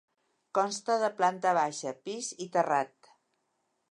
Consta de planta baixa, pis i terrat.